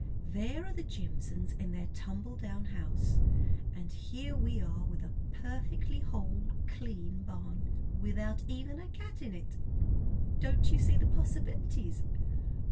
There are the Jimsons in their tumble down house, and here are we with a perfectly whole, clean barn without even a cat in it. Don't you see the possibilities?